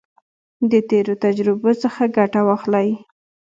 د تیرو تجربو څخه ګټه واخلئ.